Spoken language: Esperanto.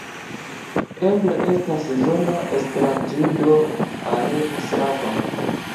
Eble estas zona esperantido al slavoj.